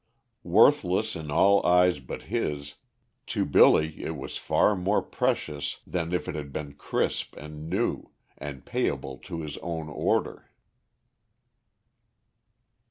Worthless in all eyes but his, to Billy it was far more precious than if it had been crisp and new, and payable to his own order.